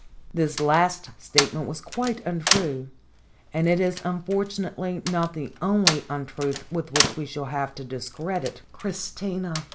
This last statement was quite untrue, and it is unfortunately not the only untruth with which we shall have to discredit Christina.